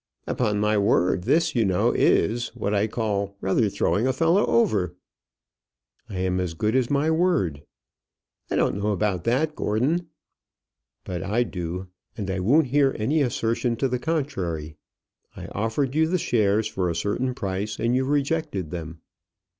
"Upon my word, this, you know, is what I call rather throwing a fellow over." "I am as good as my word." "I don't know about that, Gordon." "But I do, and I won't hear any assertion to the contrary. I offered you the shares for a certain price, and you rejected them."